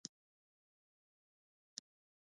د هلمند پنبه په سپین زر یادیږي